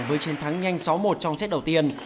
với chiến thắng nhanh sáu một trong xét đầu tiên